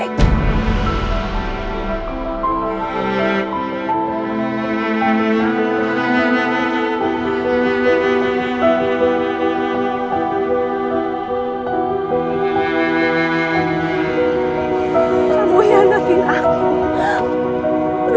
kamu mengkhianati aku